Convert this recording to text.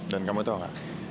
dan kamu tau gak